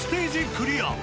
クリア